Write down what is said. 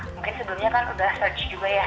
mungkin sebelumnya kan udah search juga ya